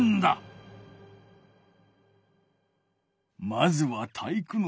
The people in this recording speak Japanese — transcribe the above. まずは体育ノ